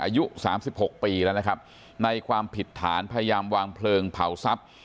อายุสามสิบหกปีแล้วนะครับในความผิดฐานพยายามวางเพลิงเผาทรัพย์